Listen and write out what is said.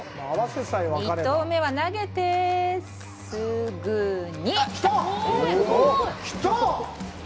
２投目は投げて、すぐに！来た！